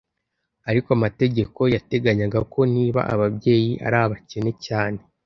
Ariko amategeko yateganyaga ko niba ababyeyi ari abakene cyane,